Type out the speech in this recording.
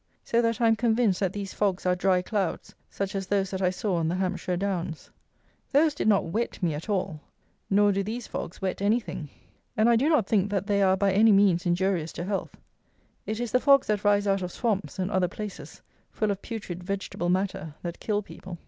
So that I am convinced that these fogs are dry clouds, such as those that I saw on the Hampshire Downs. Those did not wet me at all; nor do these fogs wet any thing; and I do not think that they are by any means injurious to health. It is the fogs that rise out of swamps, and other places, full of putrid vegetable matter, that kill people.